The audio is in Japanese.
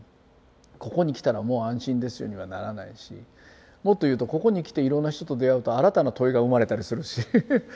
「ここに来たらもう安心ですよ」にはならないしもっと言うとここに来ていろんな人と出会うと新たな問いが生まれたりするし。